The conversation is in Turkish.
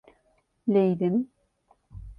Leydim.